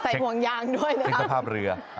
ใส่ห่วงยางด้วยนะครับเช็คสภาพเรือ